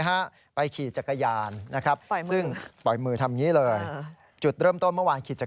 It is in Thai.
กรณีนี้ทางด้านของประธานกรกฎาได้ออกมาพูดแล้ว